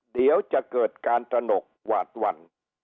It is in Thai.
เดี๋ยวจะเกิดการตระหนกหวาดหวั่น